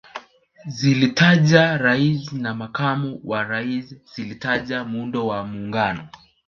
Zilitaja Rais na Makamu wa Rais zilitaja Muundo wa Muungano